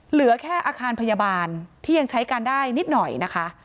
เหลือแค่อาคารพยาบาลที่ยังใช้การได้นิดหน่อยนะคะ